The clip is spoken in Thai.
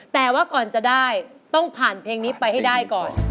แต่ว่าก่อนจะได้ต้องผ่านเพลงนี้ไปให้ได้ก่อน